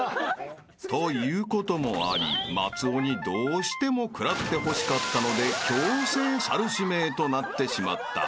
［ということもあり松尾にどうしても食らってほしかったので強制猿指名となってしまった］